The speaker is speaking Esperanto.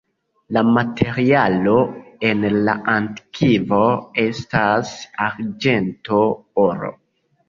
La materialo en la antikvo estis arĝento, oro.